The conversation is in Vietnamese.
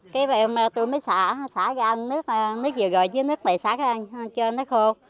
cái bây hôm tôi mới xả xả ra nước nước vừa rồi chứ nước này xả ra cho nó khô